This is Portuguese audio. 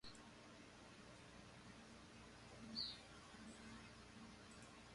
Quem está responsável pelo planeamento da viagem da banda de música?